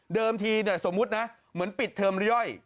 ทีสมมุตินะเหมือนปิดเทอมย่อย